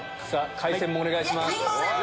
海鮮もお願いします。